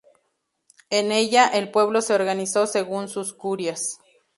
En ella, el pueblo se organizó según sus curias.